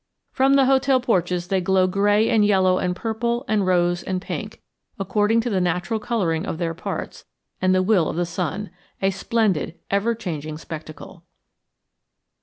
From the hotel porches they glow gray and yellow and purple and rose and pink, according to the natural coloring of their parts and the will of the sun a splendid ever changing spectacle.